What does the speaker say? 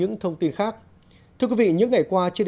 gia đình anh vàng a trình